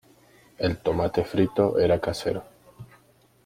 El tomate frito era casero.